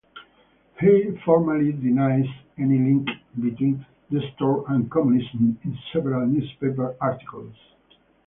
He formally denies any link between Destour and communism in several newspaper articles.